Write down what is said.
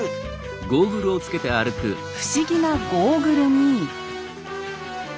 不思議なゴーグルに。